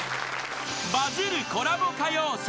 ［バズるコラボ歌謡祭］